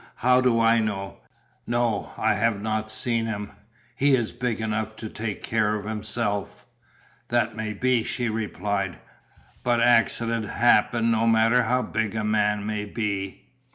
How do I know? No, I have not seen him, he is big enough to take care of himself." "That may be," she replied, "but accidents happen no matter how big a man may be.